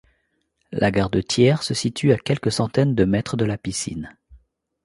La Gare de Thiers se situe à quelques centaines de mètres de la piscine.